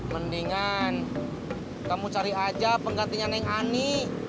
mendingan kamu cari aja penggantinya neng ani